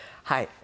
「はい」。